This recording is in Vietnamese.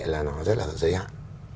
là nó rất là ở giới hạn